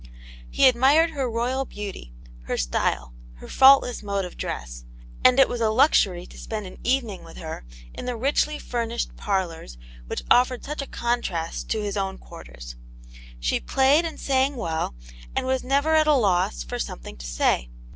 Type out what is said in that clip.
He admired her royal beauty, her style, her faultless mode of dress, and it was a luxury to spend an evening with her in the richly furnished parlours which offered such a contrast to his own quarters. She played and sang well, and was never at a loss for something to say.